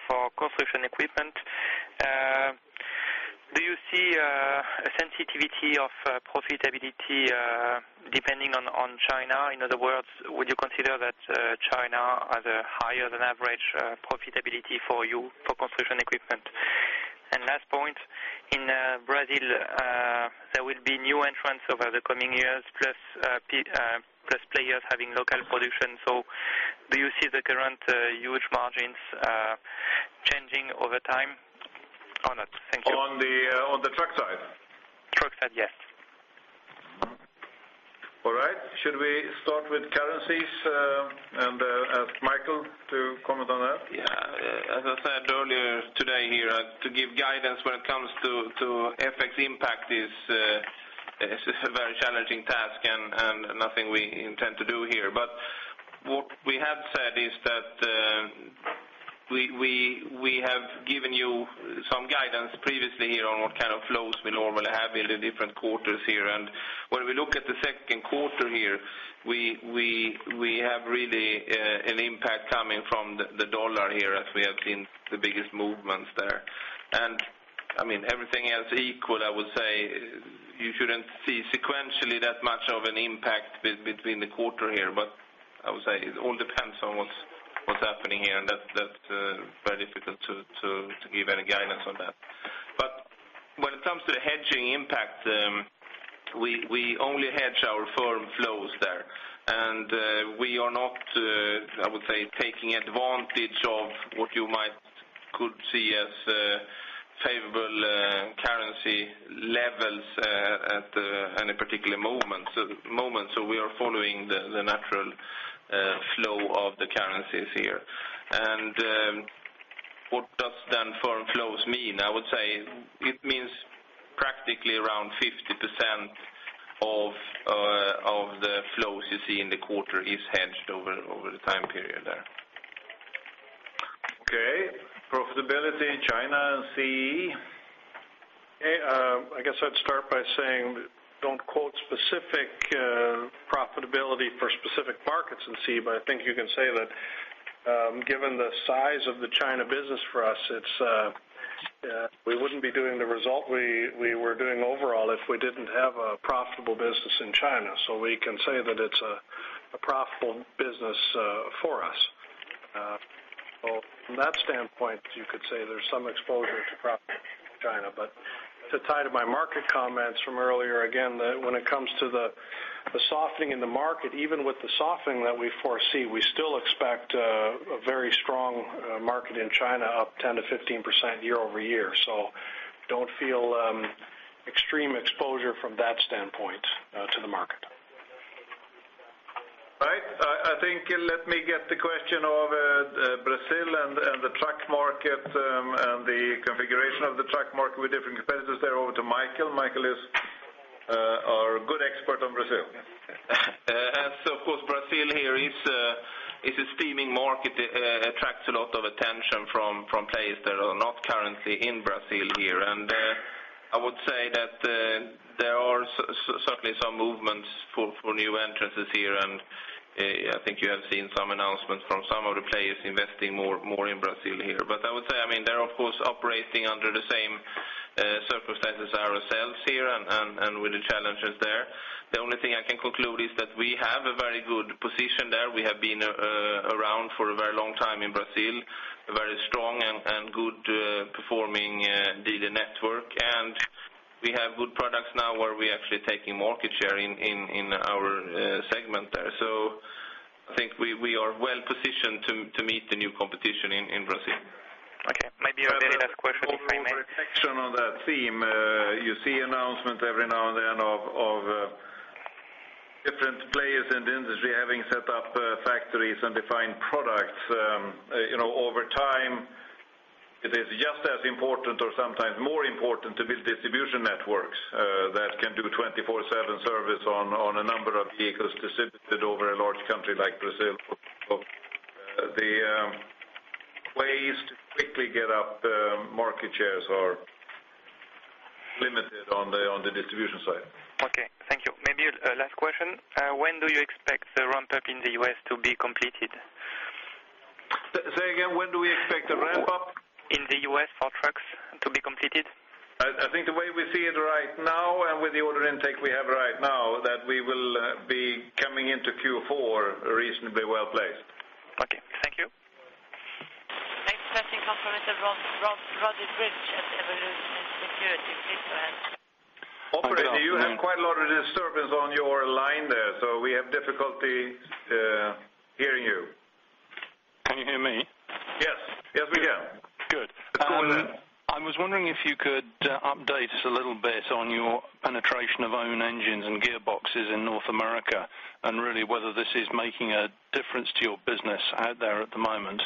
for construction equipment. Do you see a sensitivity of profitability depending on China? In other words, would you consider that China has a higher than average profitability for you for construction equipment? Last point, in Brazil, there will be new entrants over the coming years, plus players having local production. Do you see the current huge margins changing over time or not? On the truck side? Truck side, yes. All right. Should we start with currencies and ask Mikael to comment on that? Yeah. As I said earlier today, to give guidance when it comes to FX impact is a very challenging task and nothing we intend to do here. What we had said is that we have given you some guidance previously on what kind of flows we normally have in the different quarters. When we look at the second quarter, we have really an impact coming from the dollar as we have seen the biggest movements there. I mean, everything else equal, I would say you shouldn't see sequentially that much of an impact between the quarter. I would say it all depends on what's happening. That's very difficult to give any guidance on. When it comes to the hedging impact, we only hedge our firm flows. We are not, I would say, taking advantage of what you might see as favorable currency levels at any particular moment. We are following the natural flow of the currencies. What does then firm flows mean? I would say it means practically around 50% of the flows you see in the quarter is hedged over the time period. Okay. Profitability China and CE. I guess I'd start by saying don't quote specific profitability for specific markets in C, but I think you can say that given the size of the China business for us, we wouldn't be doing the result we were doing overall if we didn't have a profitable business in China. We can say that it's a profitable business for us. From that standpoint, you could say there's some exposure to profit in China. To tie to my market comments from earlier, when it comes to the softening in the market, even with the softening that we foresee, we still expect a very strong market in China up 10% to 15% year-over-year. Don't feel extreme exposure from that standpoint to the market. All right. I think let me get the question of Brazil and the truck market and the configuration of the truck market with different competitors there over to Mikael. Mikael is our good expert on Brazil. Of course, Brazil is a steaming market that attracts a lot of attention from players that are not currently in Brazil. I would say that there are certainly some movements for new entrants. I think you have seen some announcements from some of the players investing more in Brazil. I would say they are, of course, operating under the same circumstances as ourselves and with the challenges there. The only thing I can conclude is that we have a very good position there. We have been around for a very long time in Brazil, a very strong and good-performing dealer network. We have good products now where we're actually taking market share in our segment. I think we are well positioned to meet the new competition in Brazil. Okay. Maybe your very last question, if I may. A reflection on that theme, you see announcements every now and then of different players in the industry having set up factories and defined products. You know, over time, it is just as important or sometimes more important to build distribution networks that can do 24/7 service on a number of vehicles distributed over a large country like Brazil. The ways to quickly get up market shares are limited on the distribution side. Okay. Thank you. Maybe last question. When do you expect the ramp-up in the U.S. to be completed? Say again, when do we expect a ramp-up? In the U.S. for trucks to be completed. I think the way we see it right now, with the order intake we have right now, that we will be coming into Q4 reasonably well-placed. Okay. Thank you. Next question comes from Mr. Rodney Bridge at Evolution Securities in Switzerland. Operator, you have quite a lot of disturbance on your line. We have difficulty hearing you. Can you hear me? Yes, yes, we can. Good. I was wondering if you could update us a little bit on your penetration of own engines and gearboxes in North America and really whether this is making a difference to your business out there at the moment.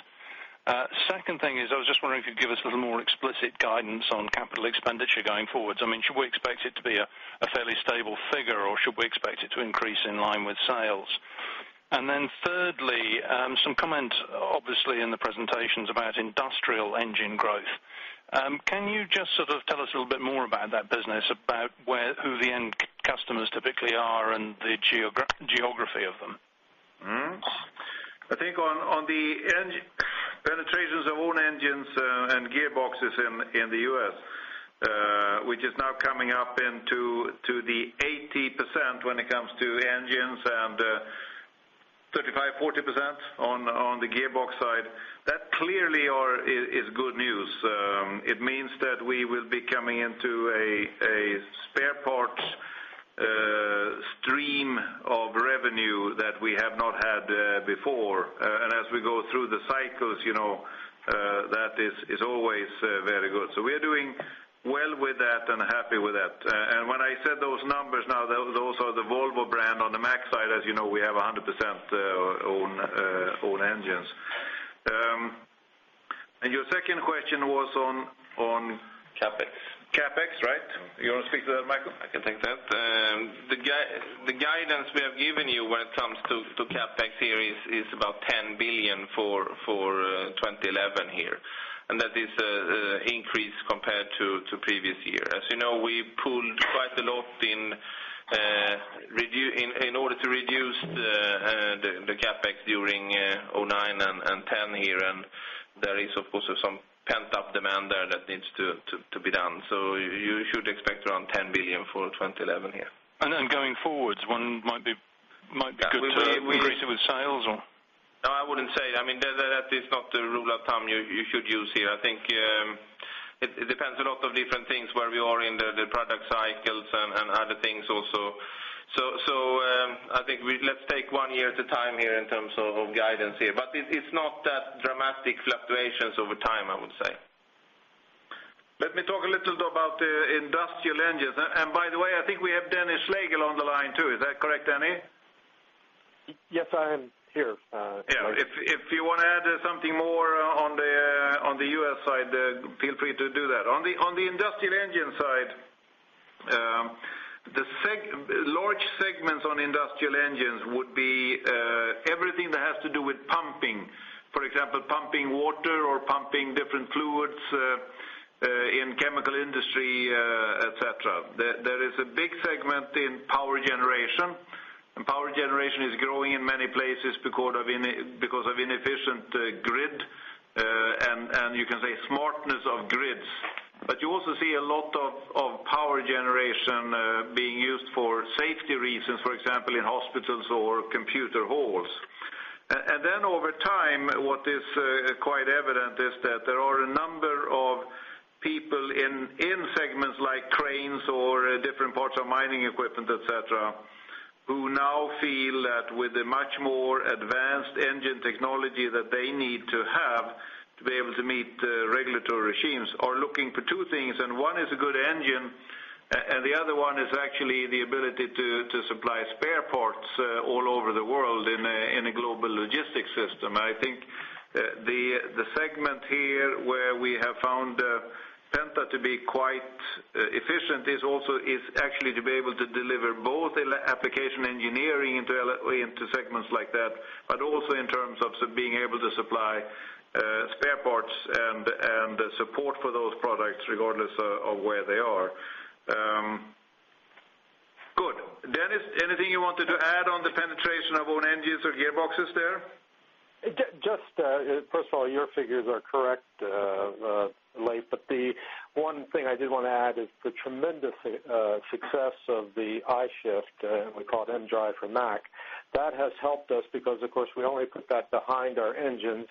The second thing is I was just wondering if you could give us a little more explicit guidance on capital expenditure going forward. I mean, should we expect it to be a fairly stable figure or should we expect it to increase in line with sales? Thirdly, some comments obviously in the presentations about industrial engine growth. Can you just sort of tell us a little bit more about that business, about who the end customers typically are and the geography of them? I think on the penetrations of own engines and gearboxes in the U.S., which is now coming up into the 80% when it comes to engines and 35%, 40% on the gearbox side, that clearly is good news. It means that we will be coming into a spare parts stream of revenue that we have not had before. As we go through the cycles, you know that is always very good. We are doing well with that and happy with that. When I said those numbers now, those are the Volvo brand. On the Mack side, as you know, we have 100% own engines. Your second question was on. CapEx. CapEx, right? You want to speak to that, Mikael? I can take that. The guidance we have given you when it comes to CapEx here is about 10 billion for 2011. That is an increase compared to the previous year. As you know, we pulled quite a lot in order to reduce the CapEx during 2009 and 2010. There is, of course, some pent-up demand there that needs to be done. You should expect around 10 billion for 2011. Going forwards, one might be good to increase it with sales or? No, I wouldn't say it. I mean, that is not the rule of thumb you should use here. I think it depends a lot on different things, where we are in the product cycles and other things also. I think let's take one year at a time here in terms of guidance. It's not that dramatic fluctuations over time, I would say. Let me talk a little about the industrial engines. By the way, I think we have Dennis Slagle on the line too. Is that correct, Danny? Yes, I am here. Yeah. If you want to add something more on the U.S. side, feel free to do that. On the industrial engine side, the large segments on industrial engines would be everything that has to do with pumping, for example, pumping water or pumping different fluids in the chemical industry, etc. There is a big segment in power generation. Power generation is growing in many places because of inefficient grid and you can say smartness of grids. You also see a lot of power generation being used for safety reasons, for example, in hospitals or computer halls. Over time, what is quite evident is that there are a number of people in segments like cranes or different parts of mining equipment, etc., who now feel that with the much more advanced engine technology that they need to have to be able to meet regulatory regimes, are looking for two things. One is a good engine, and the other one is actually the ability to supply spare parts all over the world in a global logistics system. I think the segment here where we have found Volvo Penta to be quite efficient is also actually to be able to deliver both application engineering into segments like that, but also in terms of being able to supply spare parts and support for those products regardless of where they are. Good. Dennis, anything you wanted to add on the penetration of own engines or gearboxes there? First of all, your figures are correct, Leif. The one thing I did want to add is the tremendous success of the I-Shift, we call it MDrive for Mack. That has helped us because, of course, we only put that behind our engines.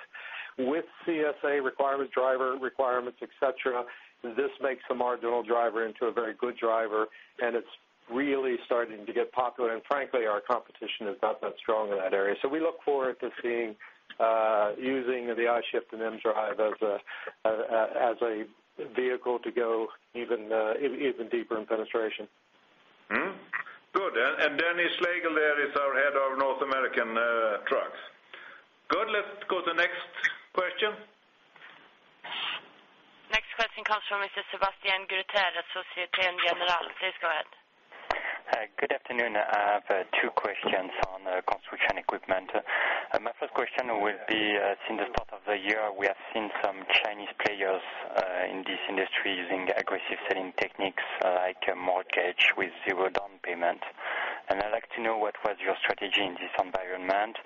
With CSA requirements, driver requirements, etc., this makes a marginal driver into a very good driver, and it's really starting to get popular. Frankly, our competition is not that strong in that area. We look forward to seeing using the I-Shift and MDrive as a vehicle to go even deeper in penetration. Good. And Dennis Slagle there is our Head of North American Trucks. Good. Let's go to the next question. Next question comes from Mr. Sebastian Wetter at Société Générale. Please go ahead. Good afternoon. I have two questions on construction equipment. My first question would be since the start of the year, we have seen some Chinese players in this industry using aggressive selling techniques like a mortgage with zero down payment. I'd like to know what was your strategy in this environment.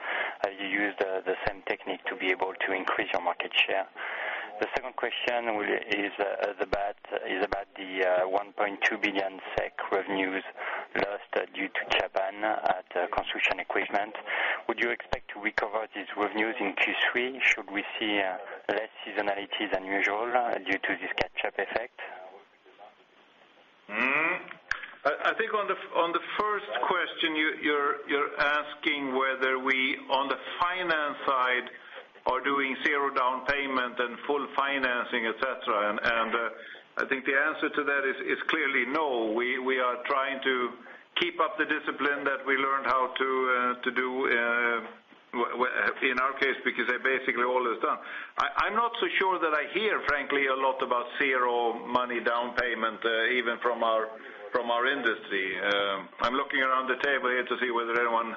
Have you used the same technique to be able to increase your market share? The second question is about the 1.2 billion SEK revenues lost due to Japan at construction equipment. Would you expect to recover these revenues in Q3? Should we see less seasonalities than usual due to this catch-up effect? I think on the first question, you're asking whether we on the finance side are doing zero down payment and full financing, etc. I think the answer to that is clearly no. We are trying to keep up the discipline that we learned how to do in our case because they basically all is done. I'm not so sure that I hear, frankly, a lot about zero money down payment even from our industry. I'm looking around the table here to see whether anyone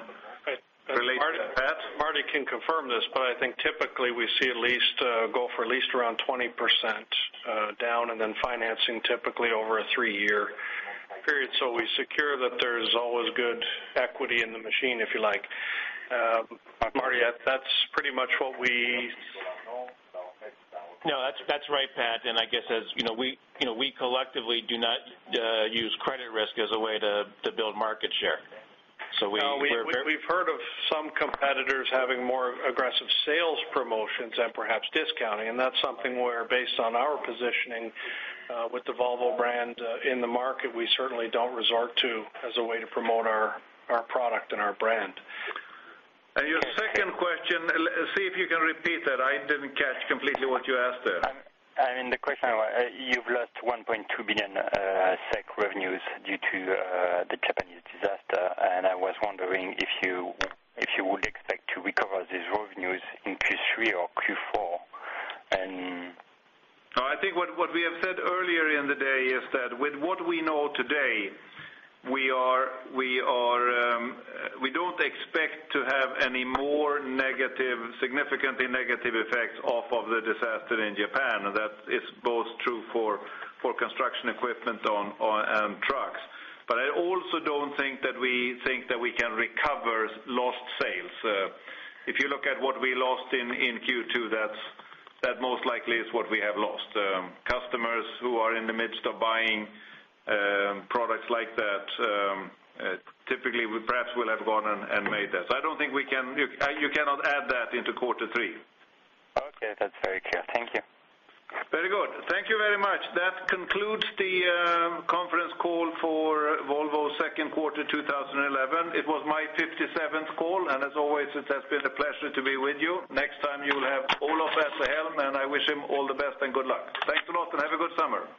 relates to that. Marty can confirm this, but I think typically we see at least go for at least around 20% down, and then financing typically over a three-year period. We secure that there's always good equity in the machine, if you like. Marty, that's pretty much what we. No, that's right, Pat. As you know, we collectively do not use credit risk as a way to build market share. We've heard of some competitors having more aggressive sales promotions and perhaps discounting. Based on our positioning with the Volvo brand in the market, we certainly don't resort to that as a way to promote our product and our brand. Could you repeat your second question? I didn't catch completely what you asked there. I mean, the question is you've lost 1.2 billion SEK revenues due to the Japanese disaster. I was wondering if you would expect to recover these revenues in Q3 or Q4. I think what we have said earlier in the day is that with what we know today, we don't expect to have any more significantly negative effects from the disaster in Japan. That is both true for construction equipment and trucks. I also don't think that we think that we can recover lost sales. If you look at what we lost in Q2, that most likely is what we have lost. Customers who are in the midst of buying products like that typically perhaps will have gone and made that. I don't think we can, you cannot add that into quarter three. Okay. That's very clear. Thank you. Very good. Thank you very much. That concludes the conference call for Volvo Group's second quarter 2011. It was my 57th call, and as always, it has been a pleasure to be with you. Next time, you will have Olof Persson at the helm. I wish him all the best and good luck. Thanks a lot and have a good summer.